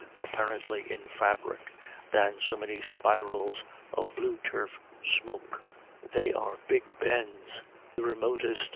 apparently, in fabric than so many spirals of *,„_. smoke. They are big bens, the remotest!